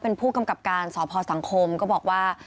เป็นผู้กำกับการสพสังคมก็บอกว่า